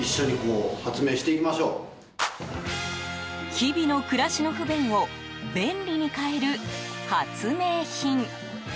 日々の暮らしの不便を便利に変える発明品。